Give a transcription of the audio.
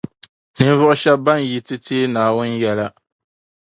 Ninvuɣu shɛba ban yi ti teei Naawuni yɛla